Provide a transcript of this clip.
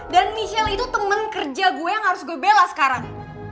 dan michelle itu temen kerja gue yang harus gue bela sekarang